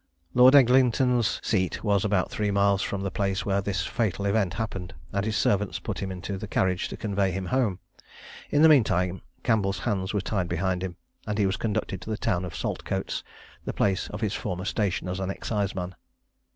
Lord Eglinton's seat was about three miles from the place where this fatal event happened; and his servants put him into the carriage to convey him home. In the mean time Campbell's hands were tied behind him; and he was conducted to the town of Saltcoats, the place of his former station as an exciseman.